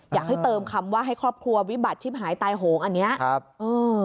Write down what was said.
อยากให้เติมคำว่าให้ครอบครัววิบัติชิบหายตายโหงอันเนี้ยครับเออ